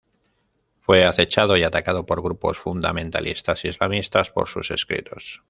Fue acechado y atacado por grupos fundamentalistas islamistas por sus escritos.